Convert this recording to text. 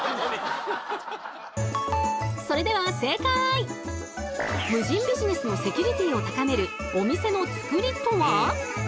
それでは無人ビジネスのセキュリティーを高めるお店のつくりとは？